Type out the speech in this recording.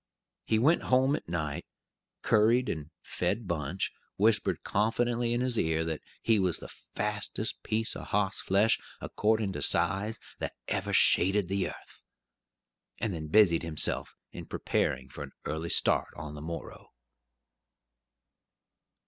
He went home at night; curried and fed Bunch; whispered confidentially in his ear that he was the "fastest piece of hossflesh, accordin' to size, that ever shaded the yearth;" and then busied himself in preparing for an early start on the morrow.